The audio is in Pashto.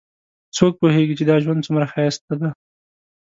څوک پوهیږي چې دا ژوند څومره ښایسته ده